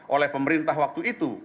oleh pemerintah waktu itu